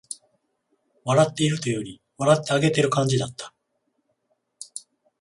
笑っているというより、笑ってあげてる感じだった